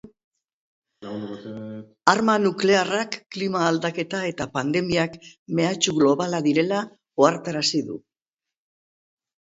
Arma nuklearrak, klima aldaketa eta pandemiak mehatxu globala direla ohartarazi du.